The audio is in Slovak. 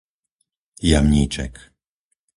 Jamníček